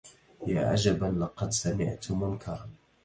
يا عجبا لقد سمعت منكرا